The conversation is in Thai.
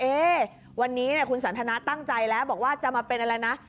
วันนี้คุณสันทนาตั้งใจแล้วบอกว่าจะมาเป็นอะไรนะ